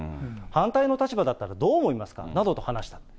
反対の立場だったらどう思いますかなどと話したと。